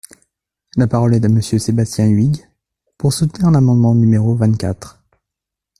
La parole est à Monsieur Sébastien Huyghe, pour soutenir l’amendement numéro vingt-quatre.